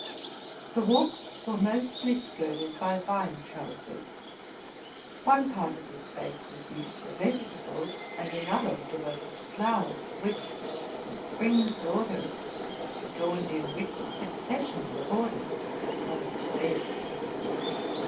The walks were mostly skirted by vine trellises: one part of the space ras used for vegetables, and another devoted to flowers, which from spring till autumn adorned in rich succession the borders as well as the beds.